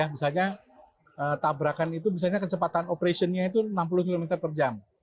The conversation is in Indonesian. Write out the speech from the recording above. misalnya tabrakan itu misalnya kecepatan operationnya itu enam puluh km per jam